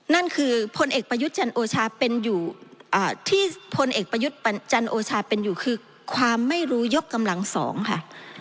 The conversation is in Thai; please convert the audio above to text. นั่นคือพลเอกประยุทธ์จันโอชาเป็นอยู่คือความไม่รู้ยกกำลังสองค่ะ